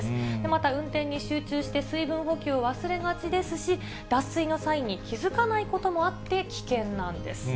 また運転に集中して、水分補給を忘れがちですし、脱水の際に気付かないこともあって、危険なんです。